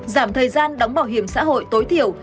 giảm thời gian đóng bảo hiểm xã hội tối thiểu